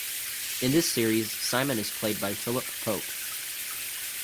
In this series Simon is played by Philip Pope.